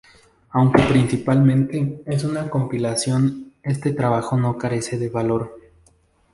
Aunque principalmente es una compilación, este trabajo no carece de valor.